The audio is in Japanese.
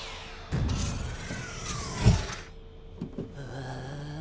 ああ。